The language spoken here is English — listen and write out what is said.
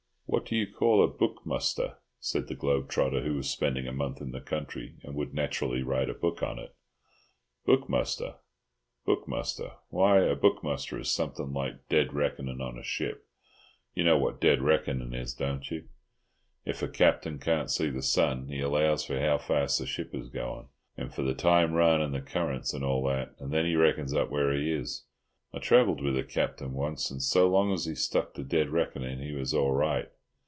"What do you call a book muster?" said the globe trotter, who was spending a month in the country, and would naturally write a book on it. "Book muster, book muster? Why, a book muster is something like dead reckoning on a ship. You know what dead reckoning is, don't you? If a captain can't see the sun he allows for how fast the ship is going, and for the time run and the currents, and all that, and then reckons up where he is. I travelled with a captain once, and so long as he stuck to dead reckoning he was all right.